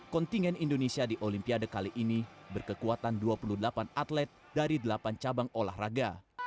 kontingen indonesia di olimpiade kali ini berkekuatan dua puluh delapan atlet dari delapan cabang olahraga